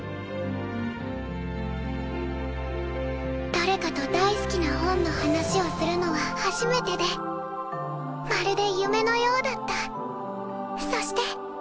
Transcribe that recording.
誰かと大好きな本の話をするのは初めてでまるで夢のようだった。